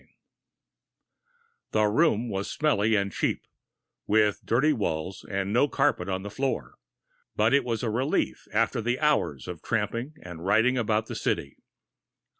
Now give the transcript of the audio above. II The room was smelly and cheap, with dirty walls and no carpet on the floor, but it was a relief after the hours of tramping and riding about the city.